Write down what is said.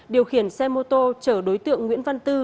điều khiển xe mô tô chở đối tượng nguyễn văn tư